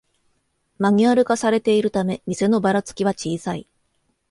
マニュアル化されているため店のバラつきは小さい